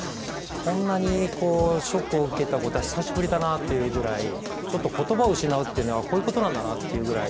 こんなにショックを受けたのは久しぶりだなというくらいちょっと言葉を失うというのはこういうことなんだなというくらい